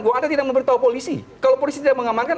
kalau polisi tidak mengamankan